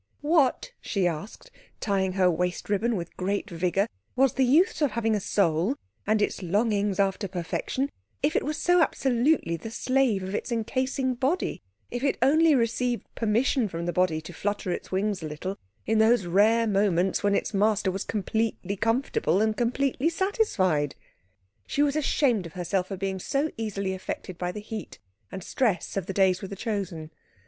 What, she asked, tying her waist ribbon with great vigour, was the use of having a soul and its longings after perfection if it was so absolutely the slave of its encasing body, if it only received permission from the body to flutter its wings a little in those rare moments when its master was completely comfortable and completely satisfied? She was ashamed of herself for being so easily affected by the heat and stress of the days with the Chosen.